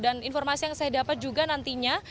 informasi yang saya dapat juga nantinya